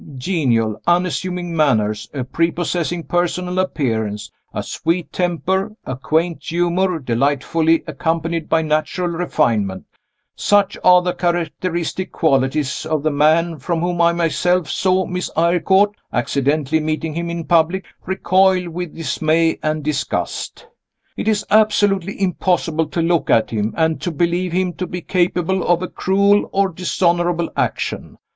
Genial, unassuming manners, a prepossessing personal appearance, a sweet temper, a quaint humor delightfully accompanied by natural refinement such are the characteristic qualities of the man from whom I myself saw Miss Eyrecourt (accidentally meeting him in public) recoil with dismay and disgust! It is absolutely impossible to look at him, and to believe him to be capable of a cruel or dishonorable action.